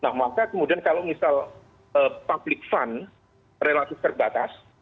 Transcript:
nah maka kemudian kalau misal public fund relatif terbatas